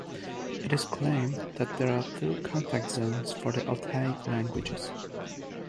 It is claimed that there are two contact zones for the Altaic languages.